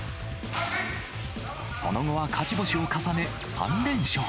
その後は勝ち星を重ね、３連勝。